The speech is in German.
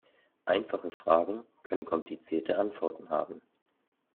Einfache Fragen können komplizierte Antworten haben.